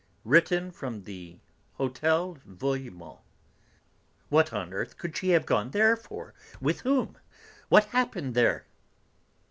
"Written from the Hôtel Vouillemont. What on earth can she have gone there for? With whom? What happened there?"